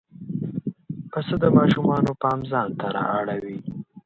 پسه د ماشومانو پام ځان ته را اړوي.